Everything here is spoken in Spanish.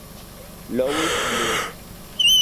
Louis Blues.